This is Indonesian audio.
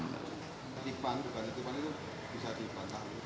titipan itu bisa dibantah